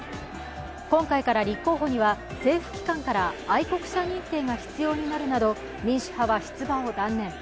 今回から立候補には政府機関から愛国者認定が必要になるなど、民主派は出馬を断念。